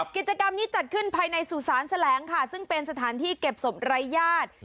กิจกรรมนี้จัดขึ้นภายในสุสานแสลงค่ะซึ่งเป็นสถานที่เก็บศพรายญาติ